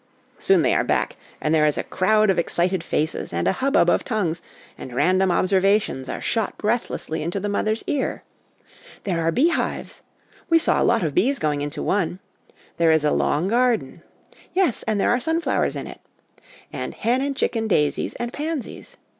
Soon they are back, and there is a crowd of excited faces, and a hubbub of tongues, and random observations are shot breathlessly into the mother's ear. ' There are bee hives.' ' We saw a lot of bees going into one.' ' There is a long garden.' ' Yes, and there are sunflowers in it.' ' And hen and chicken daisies and pansies.'